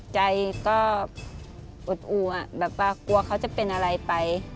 ใจก็อดอู่แบบว่ากลัวเขาจะเป็นอะไรไป